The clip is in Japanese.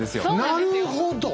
なるほど！